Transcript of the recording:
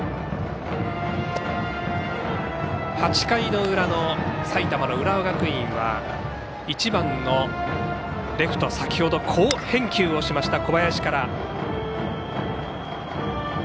８回の裏の埼玉の浦和学院は１番のレフト先ほど好返球をしました小林から。